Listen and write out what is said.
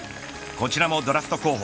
こちらもドラフト候補